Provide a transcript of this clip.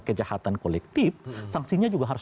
kejahatan kolektif sanksinya juga harus